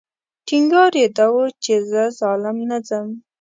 ټینګار یې دا و چې زه ظالم نه ځم.